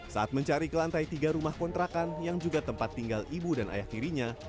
saat mencari ke lantai tiga rumah kontrakan yang juga tempat tinggal ibu dan ayah tirinya